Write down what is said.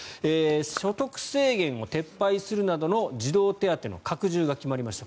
所得制限を撤廃するなどの児童手当の拡充が決まりました。